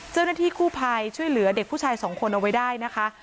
เจ้าหน้าที่กู้ภัยช่วยเหลือเด็กผู้ชายสองคนเอาไว้ได้นะคะ